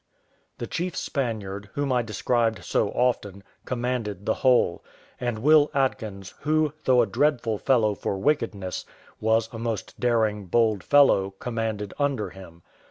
The chief Spaniard, whom I described so often, commanded the whole; and Will Atkins, who, though a dreadful fellow for wickedness, was a most daring, bold fellow, commanded under him.